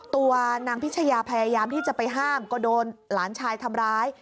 ตัวนางพิชยาพยายามที่จะไปห้ามก็โดนหลานชายทำร้าย